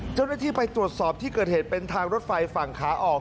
เจ้าหน้าที่ไปตรวจสอบที่เกิดเหตุเป็นทางรถไฟฝั่งขาออก